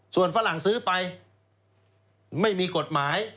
ส่วนฝรั่งซื้อไปไม่มีกฎหมาย